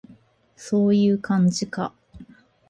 そういう感じか